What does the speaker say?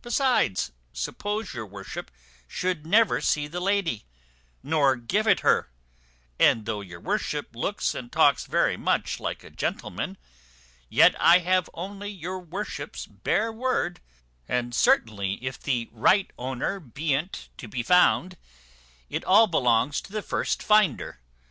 Besides, suppose your worship should never see the lady, nor give it her and, though your worship looks and talks very much like a gentleman, yet I have only your worship's bare word; and, certainly, if the right owner ben't to be found, it all belongs to the first finder.